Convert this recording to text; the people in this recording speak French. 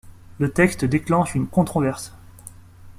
Le texte déclenche une controverse.